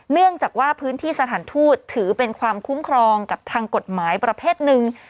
เนื่องจากว่าพื้นที่สถานทูตถือเป็นความคุ้มครองกับทางกฎหมายประเภทหนึ่ง